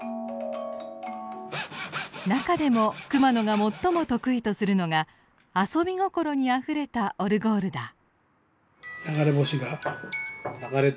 中でも熊野が最も得意とするのが遊び心にあふれたオルゴールだ。